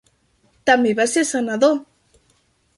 També va ser senador.